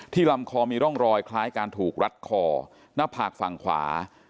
ลำคอมีร่องรอยคล้ายการถูกรัดคอหน้าผากฝั่งขวา